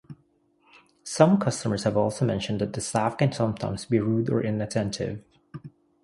Some customers have also mentioned that the staff can sometimes be rude or inattentive.